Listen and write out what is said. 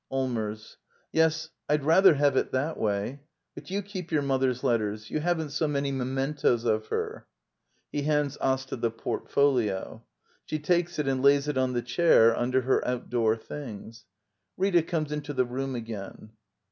Allmers. Yes, Td rather have it that way. But you keep your mother's letters. You haven't so many mementoes of her. [He hands Asta the portfolio. She takes it and lays it on the chair under her outdoor things. Rita comes into the room again.